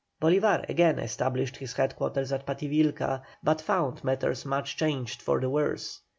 Bolívar again established his head quarters at Pativilca, but found matters much changed for the worse.